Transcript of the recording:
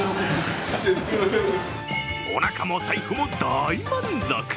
おなかも財布も大満足！